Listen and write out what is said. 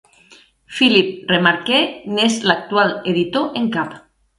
Philippe Remarque n'és l'actual editor en cap.